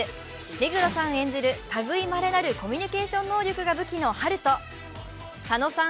目黒さん演じるたぐいまれなるコミュニケーション能力が武器のハルと佐野さん